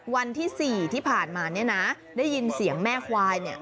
วันที่๔ที่ผ่านมาเนี่ยนะได้ยินเสียงแม่ควายเนี่ย